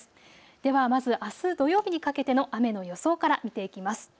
ではまず、あす土曜日にかけての雨の予想から見ていきます。